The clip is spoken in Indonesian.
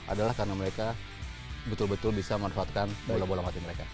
adalah karena mereka betul betul bisa memanfaatkan bola bola hati mereka